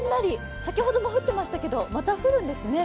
先ほども降ってましたけど、また降るんですね。